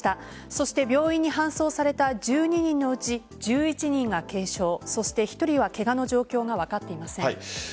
そして病院に搬送された１２人のうち１１人が軽傷１人はケガの状況が分かっていません。